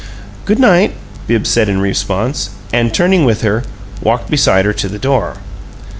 "Good night," Bibbs said in response, and, turning with her, walked beside her to the door.